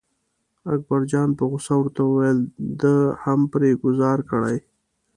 اکبرجان په غوسه ورته وویل ده هم پرې ګوزار کړی.